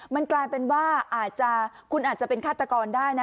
มันกลายเป็นว่าอาจจะคุณอาจจะเป็นฆาตกรได้นะ